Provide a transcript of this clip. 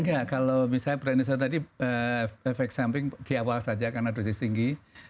enggak kalau misalnya premisal tadi efek samping di awal saja karena dosis tinggi